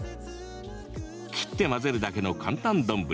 切って混ぜるだけの簡単丼。